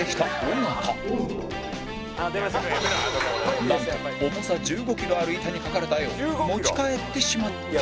なんと重さ１５キロある板に描かれた画を持ち帰ってしまった